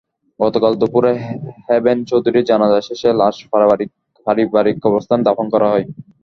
গতকাল দুপুরে হেভেন চৌধুরীর জানাজা শেষে লাশ পারিবারিক কবরস্থানে দাফন করা হয়।